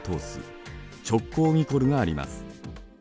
直交ニコルがあります。